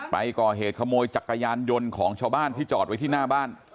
ไปก่อเหตุขโมยจักรยานยนต์ของชาวบ้านที่จอดไว้ที่หน้าบ้าน